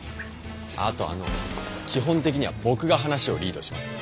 あとあの基本的には僕が話をリードしますんで。